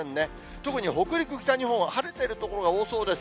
特に北陸、北日本は晴れている所が多そうです。